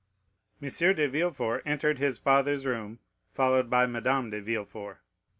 M. de Villefort entered his father's room, followed by Madame de Villefort.